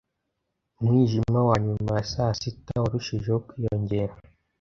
Umwijima wa nyuma ya saa sita warushijeho kwiyongera